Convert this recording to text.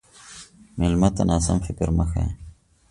مېلمه ته ناسم فکر مه ښیه.